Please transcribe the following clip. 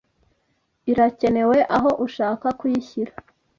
irakenewe aho ushaka kuyishyira